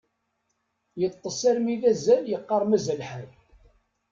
Yeṭṭes armi d azal, yeqqar mazal lḥal.